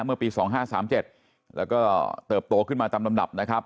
เมื่อปี๒๕๓๗แล้วก็เติบโตขึ้นมาตามลำดับนะครับ